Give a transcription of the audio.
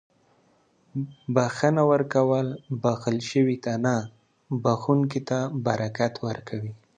• بښنه ورکول بښل شوي ته نه، بښونکي ته برکت ورکوي.